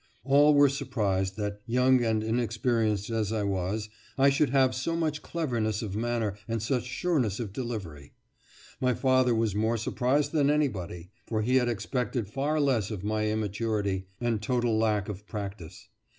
All were surprised that, young and inexperienced as I was, I should have so much cleverness of manner and such sureness of delivery. My father was more surprised than anybody, for he had expected far less of my immaturity and total lack of practice.